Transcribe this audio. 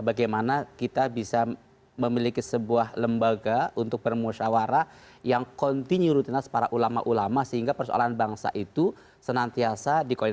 bagaimana kita bisa memiliki sebuah lembaga untuk bermusyawarah yang kontinu rutinitas para ulama ulama sehingga persoalan bangsa itu senantiasa dikonsumsi